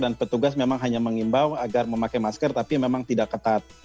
dan petugas memang hanya mengimbau agar memakai masker tapi memang tidak ketat